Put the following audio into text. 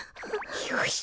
よし！